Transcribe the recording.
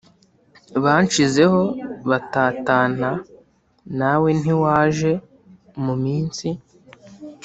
Banshizeho batatana nawe ntiwaje mu minsi